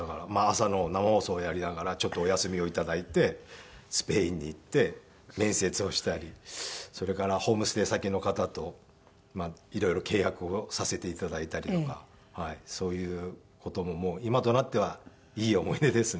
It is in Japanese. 朝の生放送をやりながらちょっとお休みを頂いてスペインに行って面接をしたりそれからホームステイ先の方と色々契約をさせて頂いたりとかそういう事も今となってはいい思い出ですね。